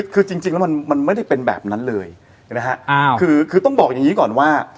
คือจริงแล้วมันไม่ได้เป็นแบบนั้นเลยนะฮะคือต้องบอกอย่างนี้ก่อนว่า